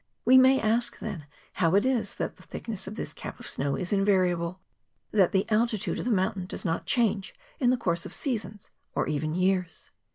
We may ask, then, how it is that the thickness of this cap of snow is invariable, and that the alti¬ tude of the mountain does not change in the course of seasons or even years.